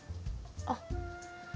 あっ。